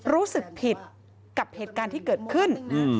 รู้สึกผิดกับเหตุการณ์ที่เกิดขึ้น